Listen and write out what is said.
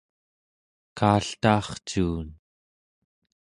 kaaltaarcuun